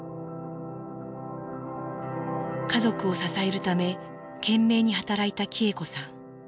家族を支えるため懸命に働いた喜恵子さん。